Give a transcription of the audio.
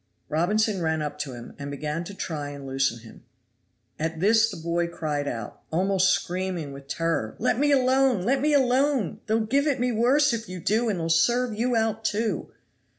Robinson ran up to him, and began to try and loosen him. At this the boy cried out, almost screaming with terror, "Let me alone! let me alone! They'll give it me worse if you do, and they'll serve you out, too!"